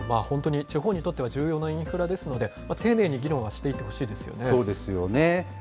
本当に地方にとっては重要なインフラですので、丁寧に議論はしていってほしいですそうですよね。